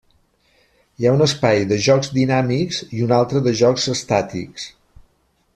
Hi ha un espai de jocs dinàmics i un altre de jocs estàtics.